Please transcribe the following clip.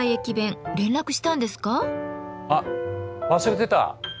あっ忘れてた！